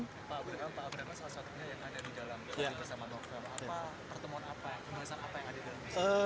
pak abdelrahman salah satunya yang ada di dalam penyelidikan novel pertemuan apa yang ada di dalam